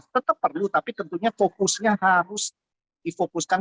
tetap perlu tapi tentunya fokusnya harus difokuskan